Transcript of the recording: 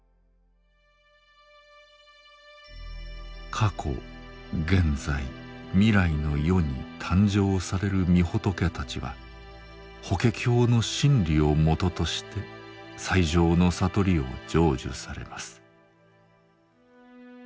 過去・現在・未来の世に誕生される御仏たちは法華経の真理を基として最上の悟りを成就されます。